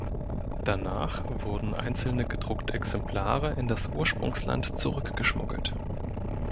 Danach wurden einzelne gedruckte Exemplare in das Ursprungsland zurück geschmuggelt.